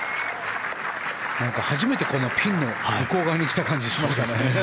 初めてピンの向こう側に来た気がしました。